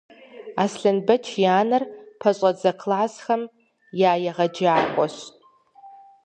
Аслъэнбэч и анэр пэщӏэдзэ классхэм я егъэджакӏуэщ.